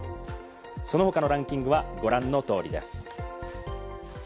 その他のランキングはご覧の通りです。